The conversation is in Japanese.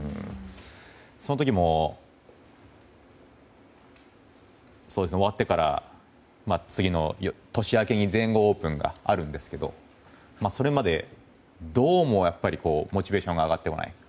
その時も、終わってから次の年明けに全豪オープンがあるんですけどそれまで、どうもモチベーションが上がってこない。